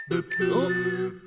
おっ？